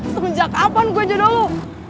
sebenernya kapan gue jodoh lu